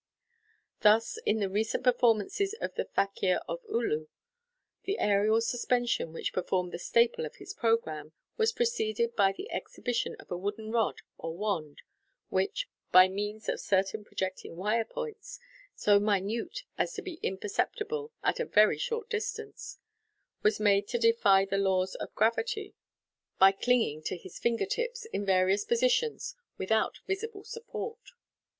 Thus, in the recent performances of the Fakir of Oolu, the aerial suspension, which formed the staple of his programme, was pr eceded by the exhibition of a wooden rod or wand which (by means of certain projecting wire points, so minute as to be imperceptible at a very short distance), was made to defy the laws of gravity by clinging to his finger tips in various positions without visible support.